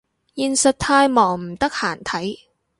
現實太忙唔得閒睇